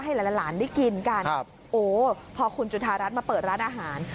หลานได้กินกันโอ้พอคุณจุธารัฐมาเปิดร้านอาหาร